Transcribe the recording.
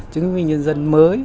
chứng minh nhân dân mới